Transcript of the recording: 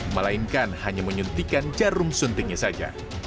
melainkan hanya menyuntikkan jarum suntiknya saja